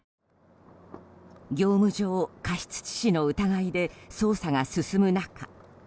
業務上過失致死の疑いで捜査が進む中